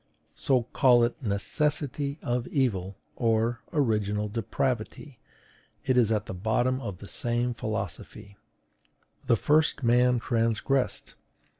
So, call it NECESSITY OF EVIL or ORIGINAL DEPRAVITY, it is at bottom the same philosophy. "The first man transgressed."